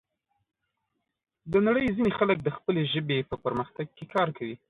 د نړۍ ځینې خلک د خپلې ژبې په پرمختګ کې کار کوي.